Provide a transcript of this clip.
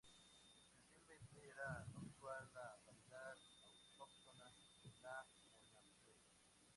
Especialmente era usual la variedad autóctona, la monastrell.